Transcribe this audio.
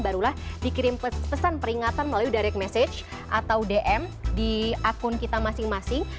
barulah dikirim pesan peringatan melalui direct message atau dm di akun kita masing masing